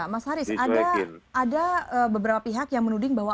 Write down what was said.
mas haris ada beberapa pihak yang menuding bahwa